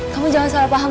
kamu jangan salah paham